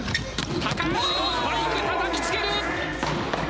高橋のスパイクたたきつける！